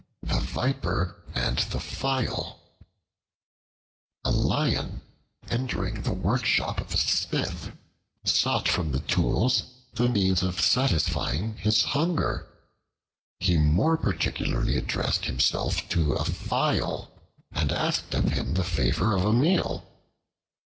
The Viper and the File A LION, entering the workshop of a smith, sought from the tools the means of satisfying his hunger. He more particularly addressed himself to a File, and asked of him the favor of a meal.